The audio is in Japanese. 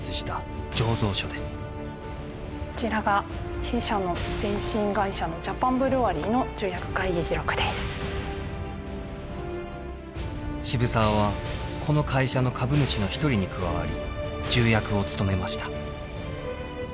こちらが弊社の前身会社の渋沢はこの会社の株主の一人に加わり重役を務めました。